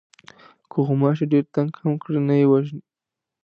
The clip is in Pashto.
که غوماشی ډېر تنگ هم کړي نه یې وژنې.